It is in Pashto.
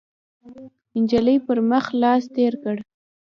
، نجلۍ پر مخ لاس تېر کړ،